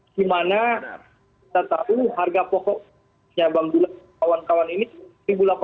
di mana kita tahu harga pokoknya bang dullah kawan kawan ini rp satu delapan ratus